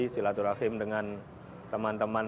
silaturahim dengan teman teman